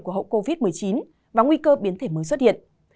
của hậu covid một mươi chín và nguy cơ biến thể mới xuất hiện